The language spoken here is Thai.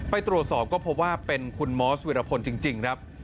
ไปตรวจสอบก็พบว่าเป็นคุณมอสวิรพลจริงครับ